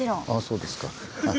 そうですか。